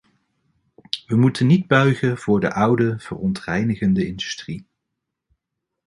We moeten niet buigen voor de oude, verontreinigende industrie.